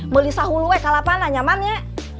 beli sahulu eh kalapan nah nyaman nyek